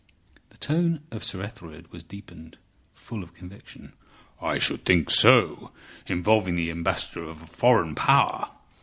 The tone of Sir Ethelred was deepened, full of conviction. "I should think so—involving the Ambassador of a foreign power!"